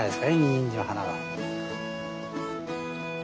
ニンジンの花は。